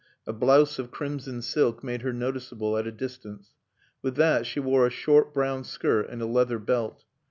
A blouse of crimson silk made her noticeable at a distance. With that she wore a short brown skirt and a leather belt.